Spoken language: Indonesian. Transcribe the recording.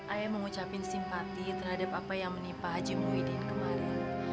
ayah mau ucapin simpati terhadap apa yang menipa haji muhyiddin kemarin